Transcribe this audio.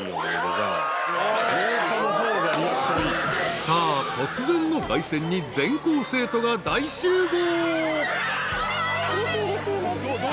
［スター突然の凱旋に全校生徒が大集合］